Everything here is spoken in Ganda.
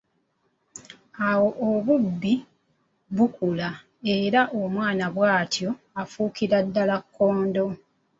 Awo obubbi buba bukula era omwana bwatyo afuukira ddala kkondo.